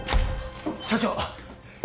社長。